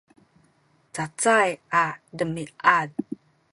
cacay a demiad